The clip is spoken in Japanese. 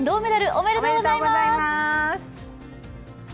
ありがとうございます。